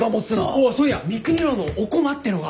おっそういや三國楼のおこまっていうのが！